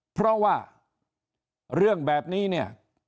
เพราะว่าเรื่องแบบนี้เนี่ย